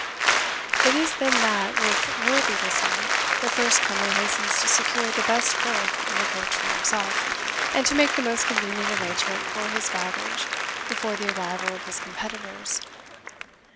It is then that, with worldly wisdom, the first comer hastens to secure the best berth in the coach for himself, and to make the most convenient arrangement for his baggage before the arrival of his competitors.